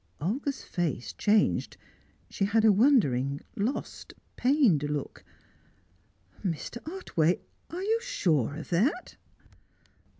Olga's face changed. She had a wondering lost, pained look. "Mr. Otway, are you sure of that?"